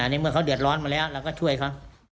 ในเมื่อเขาเดือดร้อนมาแล้วเราก็ช่วยเขา